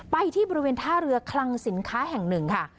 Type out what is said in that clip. ที่บริเวณท่าเรือคลังสินค้าแห่งหนึ่งค่ะ